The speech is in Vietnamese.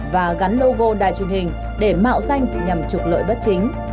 và gắn logo đài truyền hình để mạo danh nhằm trục lợi bất chính